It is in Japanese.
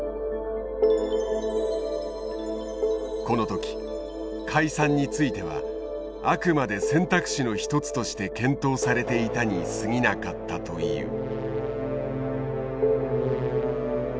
この時解散についてはあくまで選択肢の一つとして検討されていたにすぎなかったという。